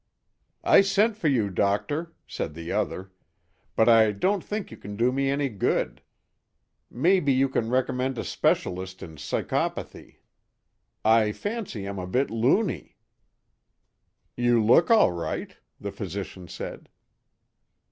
"I sent for you, Doctor," said the other, "but I don't think you can do me any good. May be you can recommend a specialist in psychopathy. I fancy I'm a bit loony." "You look all right," the physician said.